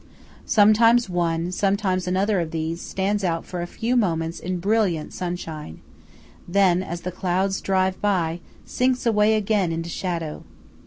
Sometimes one, sometimes another of these, stands out for a few moments in brilliant sunshine; then, as the clouds drive by, sinks away again into shadow.